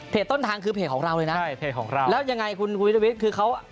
เพจต้นทางคือเพจของเราเลยนะแล้วยังไงคุณวิทยาวิทยาวิทย์